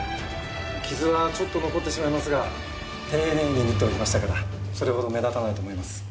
傷はちょっと残ってしまいますが丁寧に縫っておきましたからそれほど目立たないと思います。